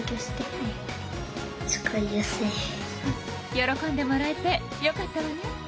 喜んでもらえてよかったわね。